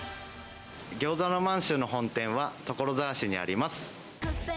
ぎょうざの満州の本店は所沢市にあります。